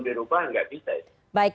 memberikan rekomendasi dengan praktek